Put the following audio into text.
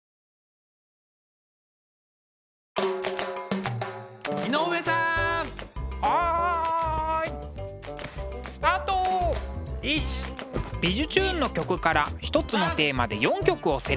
「びじゅチューン！」の曲から１つのテーマで４曲をセレクト。